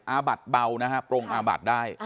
อาบัตรเบานะครับปรงอาบัตรได้